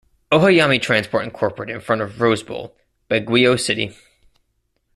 Ohayami Transport Incorporated in front of Rose Bowl, Baguio City.